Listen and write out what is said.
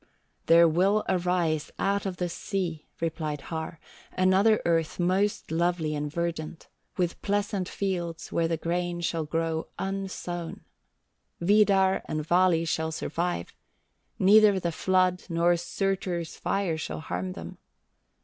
"There will arise out of the sea," replied Har, "another earth most lovely and verdant, with pleasant fields where the grain shall grow unsown. Vidar and Vali shall survive; neither the flood nor Surtur's fire shall harm them.